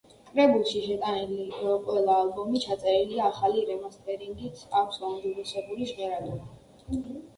კრებულში შეტანილი ყველა ალბომი ჩაწერილია ახალი რემასტერინგით, აქვს გაუმჯობესებული ჟღერადობა.